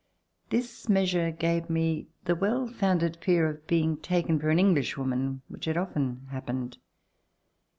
This measure gave me the well founded fear of being taken for an Englishwoman, which had often happened.